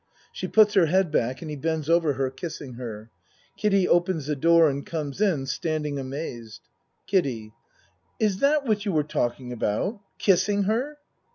(She puts her head back and he bends over her kissing her. Kiddie opens the door and comes in, standing amazed.} KIDDIE Is that what you were talking about kissing her?